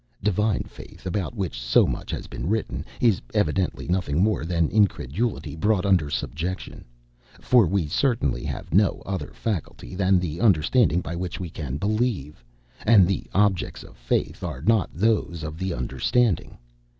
Divine faith, about which so much has been written, is evidently nothing more than incredulity brought under subjection; for we certainly have no other faculty than the understanding by which we can believe; and the objects of faith are not those of the understanding.